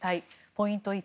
ポイント１。